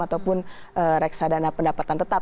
ataupun reksadana pendapatan tetap